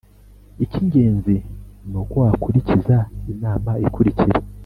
icyingenzi nuko wakurikiza inama ikurikira